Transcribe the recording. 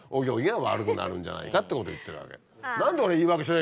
悪くなるんじゃないかってことを言ってるわけ。